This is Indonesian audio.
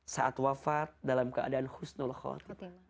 saat wafat dalam keadaan khusnul khawar